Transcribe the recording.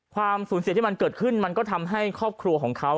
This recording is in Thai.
ความสูญเสียที่มันเกิดขึ้นมันก็ทำให้ครอบครัวของเขา